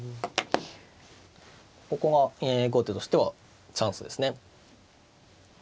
ここが後手としてはチャンスですね。